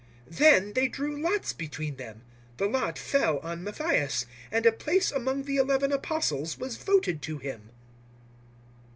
001:026 Then they drew lots between them. The lot fell on Matthias, and a place among the eleven Apostles was voted to him.